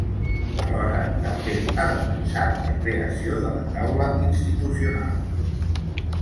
Alhora també ha defensat la creació de la taula institucional.